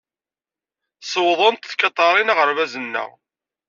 Sewḍent tkatarin aɣerbaz-nneɣ.